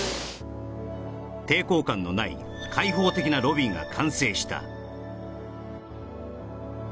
抵抗感のない開放的なロビーが完成した